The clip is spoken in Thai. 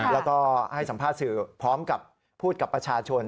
แล้วก็ให้สัมภาษณ์สื่อพร้อมกับพูดกับประชาชน